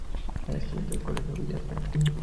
Ex estudiante de Colegio Villa España.